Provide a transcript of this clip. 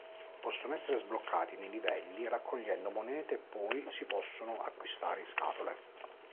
Possono essere sbloccati nei livelli raccogliendo monete e poi si possono acquistare in scatole.